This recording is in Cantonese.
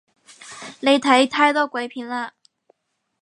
你睇太多鬼片喇